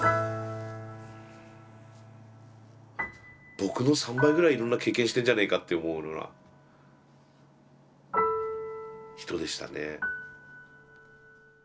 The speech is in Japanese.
僕の３倍ぐらいいろんな経験してんじゃねえかって思うような人でしたね。